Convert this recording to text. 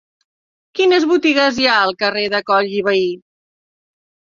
Quines botigues hi ha al carrer de Coll i Vehí?